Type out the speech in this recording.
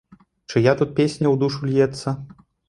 Чыя тут песня ў душу льецца?